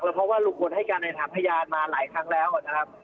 เพราะว่าลุงพลให้การในฐานพยานมาหลายครั้งแล้วนะครับ